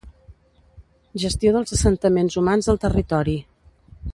Gestió dels assentaments humans al territori.